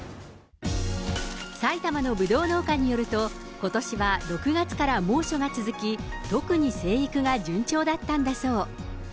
埼玉のぶどう農家によると、ことしは６月から猛暑が続き、特に生育が順調だったんだそう。